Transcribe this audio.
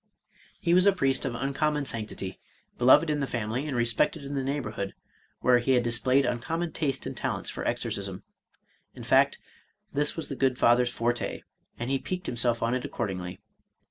He was a priest of uncommon sanctity, beloved in the family, and respected in the neighborhood, where he had displayed uncommon taste and talents for exorcism; — in fact, this was the good Father's forte^ and he piqued himself on it accordingly.